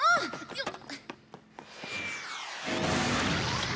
よっ！